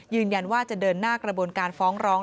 ยืนยันว่าจะเดินหน้ากระบวนการฟ้องร้อง